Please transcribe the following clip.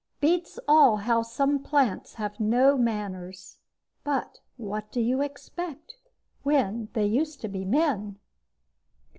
Beats all how some plants have no manners but what do you expect, when they used to be men!